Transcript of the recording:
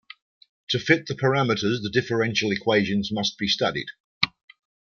To fit the parameters, the differential equations must be studied.